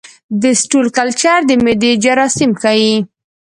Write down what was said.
د سټول کلچر د معدې جراثیم ښيي.